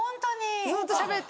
ずっとしゃべって。